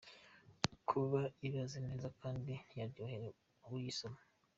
Kuba ibaze neza kandi yaryohera uyisoma;.